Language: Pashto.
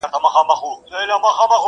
زه چي هر څومره زړيږم حقیقت را څرګندیږي؛